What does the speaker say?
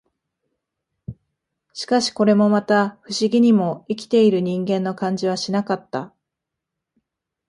しかし、これもまた、不思議にも、生きている人間の感じはしなかった